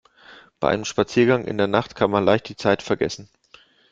Bei einem Spaziergang in der Nacht kann man leicht die Zeit vergessen.